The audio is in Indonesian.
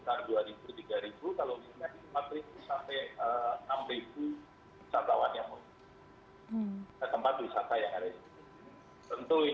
tentu ini memilihkan ekonomi yang ada di sini